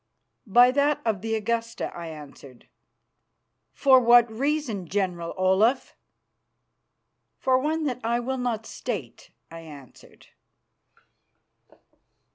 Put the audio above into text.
"By that of the Augusta," I answered. "For what reason, General Olaf?" "For one that I will not state," I answered.